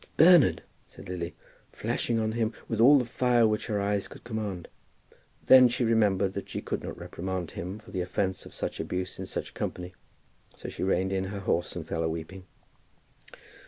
"Bernard!" said Lily, flashing on him with all the fire which her eyes could command. Then she remembered that she could not reprimand him for the offence of such abuse in such a company; so she reined in her horse and fell a weeping.